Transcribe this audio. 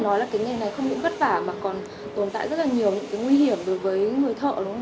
gọi là mình đây gọi là phồng